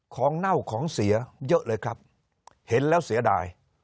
เน่าของเสียเยอะเลยครับเห็นแล้วเสียดาย